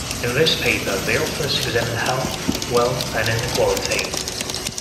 In this paper, the authors examine health, wealth and inequality.